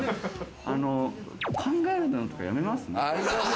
考えるのとかやめます？